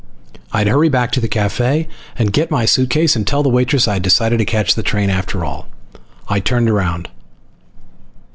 I'd hurry back to the cafe and get my suitcase and tell the waitress I'd decided to catch the train after all. I turned around.